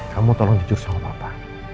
kamu tolong jujur sama bapak